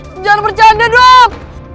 jangan bercanda dok